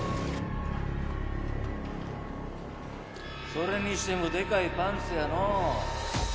それにしてもでかいパンツやのう。